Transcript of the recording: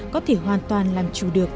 có thể hoàn toàn làm chủ được